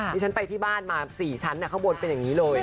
ที่ฉันไปที่บ้านมา๔ชั้นข้างบนเป็นอย่างนี้เลย